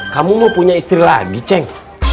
kamu mau punya istri lagi ceng